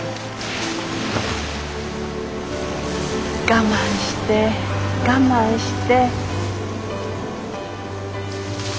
我慢して我慢して。